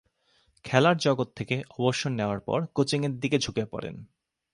খেলার জগৎ থেকে অবসর নেয়ার পর কোচিংয়ের দিকে ঝুঁকে পড়েন।